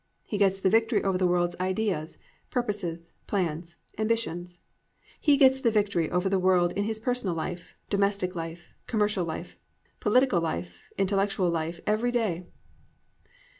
He gets the victory over the world's ideas, purposes, plans, ambitions. He gets the victory over the world in his personal life, domestic life, commercial life, political life, intellectual life every day.